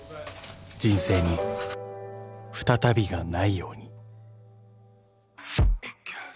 ［人生に再びがないように］